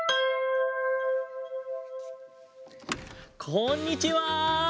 こんにちは！